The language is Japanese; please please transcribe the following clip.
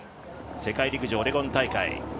世界陸上オレゴン大会。